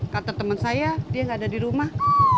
kata temen saya dia gak ada di rumah